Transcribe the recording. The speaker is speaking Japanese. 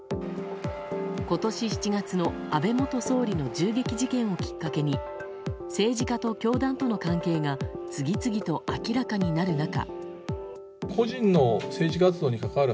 今年７月の安倍元総理の銃撃事件をきっかけに政治家と教団との関係が次々と明らかになる中。